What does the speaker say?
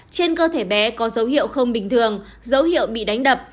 trên cơ thể bé có dấu hiệu không bình thường dấu hiệu bị đánh đập